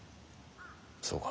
そうか。